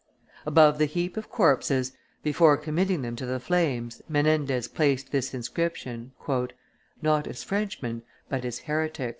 Above the heap of corpses, before committing them to the flames, Menendez placed this inscription: "Not as Frenchmen, but as heretics."